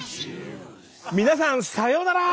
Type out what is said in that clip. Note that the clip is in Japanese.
皆さんさようなら！